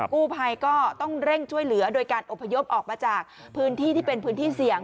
กู้ภัยก็ต้องเร่งช่วยเหลือโดยการอพยพออกมาจากพื้นที่ที่เป็นพื้นที่เสี่ยง